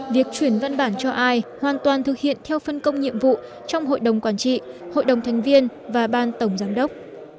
việc chuyển văn bản cho ai hoàn toàn thực hiện theo phân công nhiệm vụ trong hội đồng quản trị hội đồng thành viên và ban tổng giám đốc